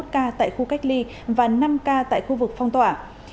hai mươi một ca tại khu cách ly và năm ca tại khu vực phong tỏa